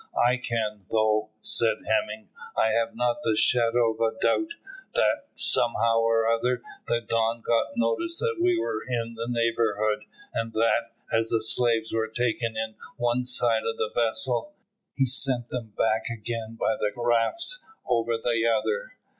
"I can, though," said Hemming. "I have not the shadow of a doubt that, somehow or other, the Don got notice that we were in the neighbourhood, and that, as the slaves were taken in on one side of the vessel, he sent them back again by the rafts over the other.